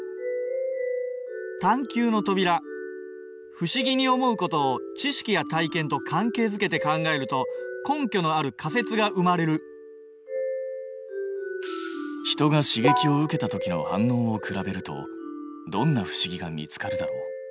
不思議に思うことを知識や体験と関係づけて考えると根拠のある仮説が生まれる人が刺激を受けたときの反応を比べるとどんな不思議が見つかるだろう。